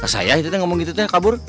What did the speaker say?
saya itu teh ngomong gitu teh kabur